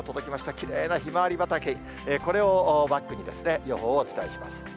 きれいなひまわり畑、これをバックに、予報をお伝えします。